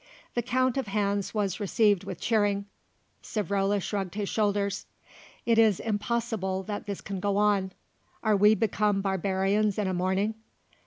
The count of hands was received with cheering. Savrola shrugged his shoulders. "It is impossible that this can go on. Are we become barbarians in a morning?"